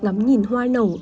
ngắm nhìn hoa nổ